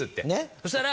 そしたら。